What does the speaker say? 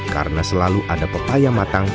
karena selalu ada pepaya matang